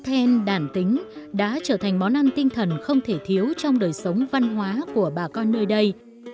then đàn tính đã trở thành món ăn tinh thần không thể thiếu trong đời sống văn hóa của bà con nơi đây